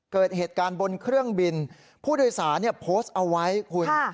เกิดเหตุการณ์บนเครื่องบินผู้โดยสารโพสต์เอาไว้คุณ